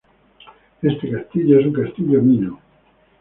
Este castillo es un castillo Mino.